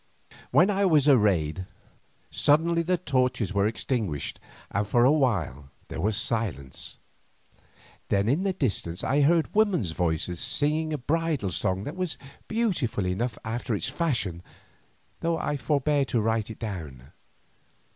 When I was arrayed, suddenly the torches were extinguished and for a while there was silence. Then in the distance I heard women's voices singing a bridal song that was beautiful enough after its fashion, though I forbear to write it down.